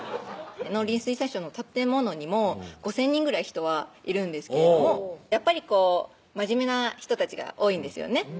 農林水産省の建物にも５０００人ぐらい人はいるんですけどやっぱりこう真面目な人たちが多いんですよね